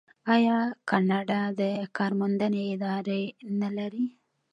آیا کاناډا د کار موندنې ادارې نلري؟